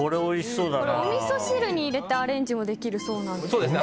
おみそ汁に入れてアレンジもできるそうですね。